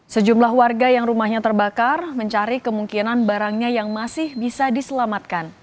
sejumlah warga yang rumahnya terbakar mencari kemungkinan barangnya yang masih bisa diselamatkan